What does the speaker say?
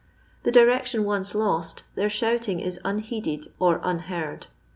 The direction once lost, their shooting is unheeded or unheard.